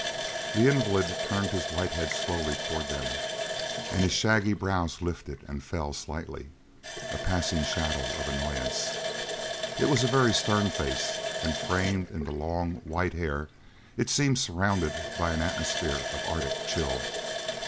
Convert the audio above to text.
The invalid turned his white head slowly towards them, and his shaggy brows lifted and fell slightly a passing shadow of annoyance. It was a very stern face, and framed in the long, white hair it seemed surrounded by an atmosphere of Arctic chill.